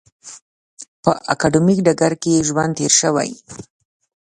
په اکاډمیک ډګر کې یې ژوند تېر شوی.